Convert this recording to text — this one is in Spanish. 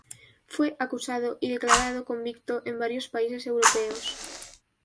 Fue acusado y declarado convicto en varios países europeos.